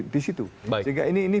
disitu sehingga ini